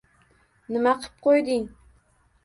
Nima qib qo`ydi-ing